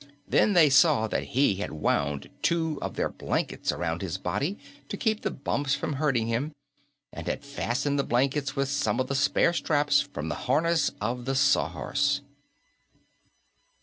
Then they saw that he had wound two of their blankets around his body to keep the bumps from hurting him and had fastened the blankets with some of the spare straps from the harness of the Sawhorse.